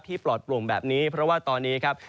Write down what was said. ปลอดโปร่งแบบนี้เพราะว่าตอนนี้ครับ